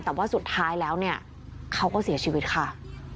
แต่ว่าสุดท้ายแล้วเนี่ยเขาก็เสียชีวิตค่ะ